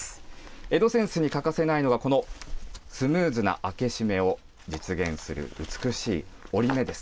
江戸扇子に欠かせないのが、このスムーズな開け閉めを実現する美しい折り目です。